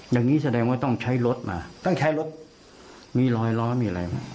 อย่างนี้แสดงว่าต้องใช้รถมาต้องใช้รถมีรอยล้อมีอะไรมา